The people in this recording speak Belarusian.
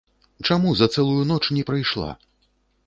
Чаму за цэлую ноч не прыйшла?